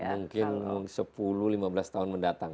mungkin sepuluh lima belas tahun mendatang